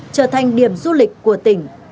trở thành điểm du lịch của tỉnh